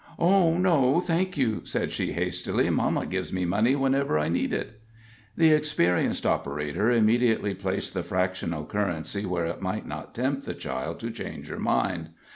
"Oh, no, thank you," said she, hastily; "mamma gives me money whenever I need it." The experienced operator immediately placed the fractional currency where it might not tempt the child to change her mind.